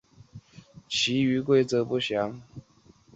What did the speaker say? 代数数域是域的一类。